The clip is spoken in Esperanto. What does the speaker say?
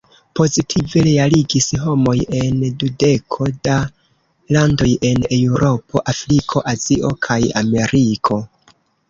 Pozitive reagis homoj en dudeko da landoj en Eŭropo, Afriko, Azio kaj Ameriko.